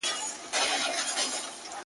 • چي ګلاب وي غوړېدلی د سنځلي بوی لګیږي,